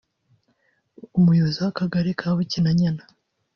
umuyobozi w’Akagari ka Bukinanyana